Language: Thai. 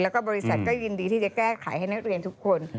แล้วก็บริษัทก็ยินดีที่จะแก้ไขให้นักเรียนทุกคน